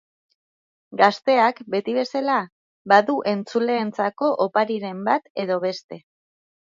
Gazteak, beti bezala, badu entzuleentzako opariren bat edo beste.